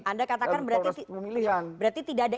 anda katakan berarti tidak ada